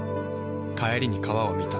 帰りに川を見た。